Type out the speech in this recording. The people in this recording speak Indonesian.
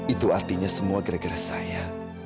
itu artinya semua gara gara saya